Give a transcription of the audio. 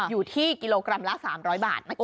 อยู่ที่กิโลกรัมละ๓๐๐บาท